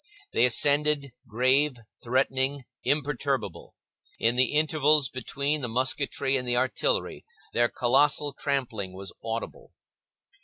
They ascended, grave, threatening, imperturbable; in the intervals between the musketry and the artillery, their colossal trampling was audible.